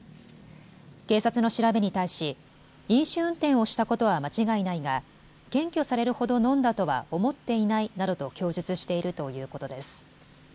警察の調べに対し飲酒運転をしたことは間違いないが検挙されるほど飲んだとは思っていないなどと供述しているということです。